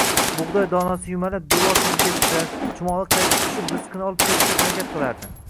Bugʻdoy donasi yumalab, devor tagiga tushar, chumoli qaytib tushib, rizqini olib ketishga harakat qilardi